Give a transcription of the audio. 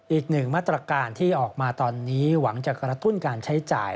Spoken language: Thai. อีกหนึ่งมาตรการที่ออกมาตอนนี้หวังจะกระตุ้นการใช้จ่าย